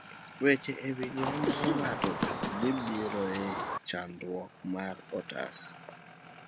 Weche e Wi Ngima mar Ng'ato.gibiro e chakruok mar otas